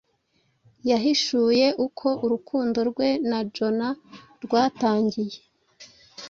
yahishuye uko urukundo rwe na jona rwatangiye